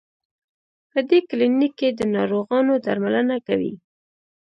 په دې کلینک کې د ناروغانو درملنه کوي.